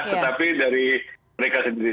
tetapi dari mereka sendiri